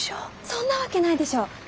そんなわけないでしょ。